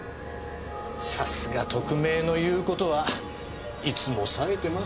さすが特命の言う事はいつも冴えてますなぁ。